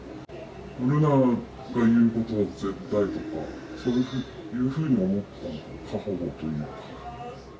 瑠奈が言うことが絶対とか、そういうふうに思ってた、過保護というか。